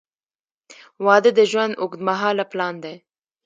• واده د ژوند اوږدمهاله پلان دی.